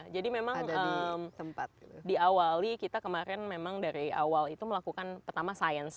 jadi memang di awali kita kemarin memang dari awal itu melakukan pertama sains